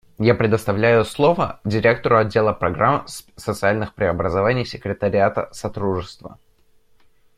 Я предоставляю слово Директору Отдела программ социальных преобразований Секретариата Содружества.